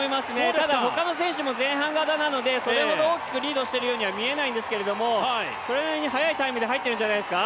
ただ他の選手も前半型なので、それほど多くリードしているようには見えないんですけどそれなりに速いタイムで入っているんじゃないですか。